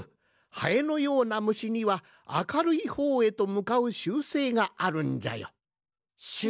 ハエのようなむしにはあかるいほうへとむかう習性があるんじゃよ。